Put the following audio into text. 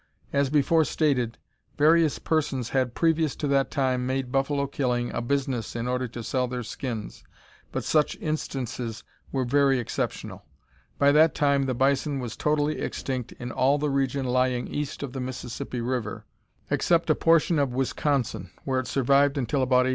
As before stated, various persons had previous to that time made buffalo killing a business in order to sell their skins, but such instances were very exceptional. By that time the bison was totally extinct in all the region lying east of the Mississippi River except a portion of Wisconsin, where it survived until about 1830.